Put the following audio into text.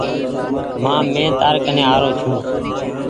مآ مين تيآري ڪني آرو ڇون۔